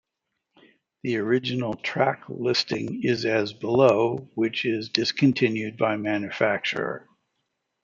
The original track listing is as below which is discontinued by manufacturer.